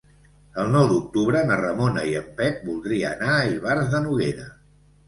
El nou d'octubre na Ramona i en Pep voldria anar a Ivars de Noguera.